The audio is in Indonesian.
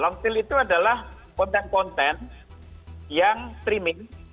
long sale itu adalah konten konten yang streaming